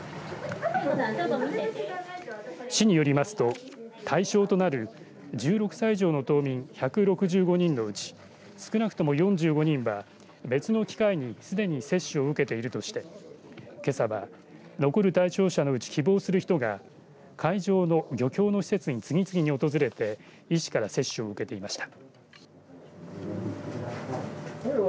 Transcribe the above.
市民よりますと、対象となる１６歳以上の島民１６５人のうち少なくとも４５人は別の機会にすでに接種を受けているとしてけさは、残る対象者のうち希望する人が会場の漁協の施設に次々に訪れて、医師から接種を受けていました。